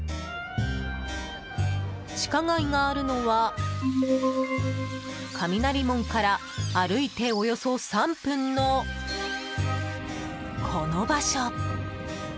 地下街があるのは雷門から歩いておよそ３分のこの場所。